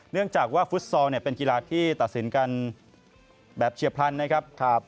เนื่องจากว่าฟุตซอลเป็นกีฬาที่ตัดสินกันแบบเฉียบพลันนะครับ